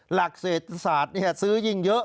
หลักเศรษฐศาสตร์ซื้อยิ่งเยอะ